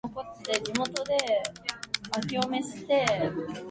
私の一番上の兄が父の名代としてその会合に出席した。